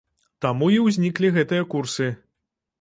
Таму і ўзніклі гэтыя курсы.